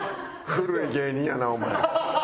古い芸人やなお前。